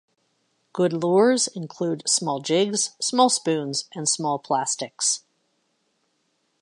Good lures include small jigs, small spoons, and small plastics.